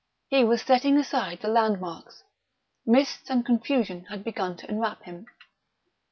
He was setting aside the landmarks. Mists and confusion had begun to enwrap him.